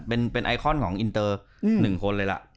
เป็นไอคอนของอินเตอร์๑คนเลยล่ะ